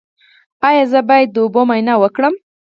ایا زه باید د اوبو معاینه وکړم؟